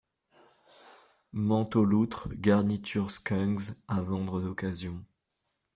Manteau loutre, garniture Skungs, à vendre d'occasion.